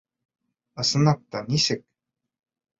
Ысынлап та, нисек?